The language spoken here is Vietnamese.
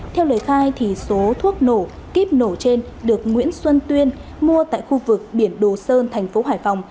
theo lời khai số thuốc nổ kiếp nổ trên được nguyễn xuân tuyên mua tại khu vực biển đồ sơn thành phố hải phòng